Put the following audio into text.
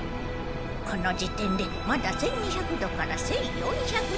この時点でまだ１，２００度から１，４００度もある。